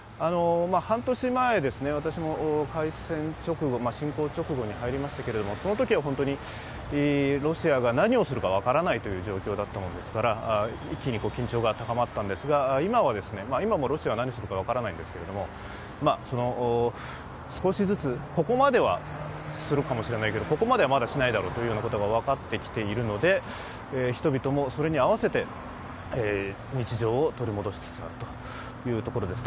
半年前、私も侵攻直後に入りましたけれども、そのときは本当にロシアが何をするか分からないという状況だったものですから、一気に緊張が高まったんですが、今もロシア何するか分からないんですが少しずつ、ここまではするかもしれないけどここまではまだしないだろうということが分かってきているので、人々もそれに合わせて日常を取り戻しつつあるというところです。